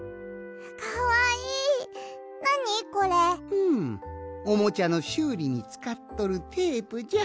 うんおもちゃのしゅうりにつかっとるテープじゃ。